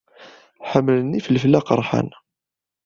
Ḥemmlen ifelfel aqerḥan.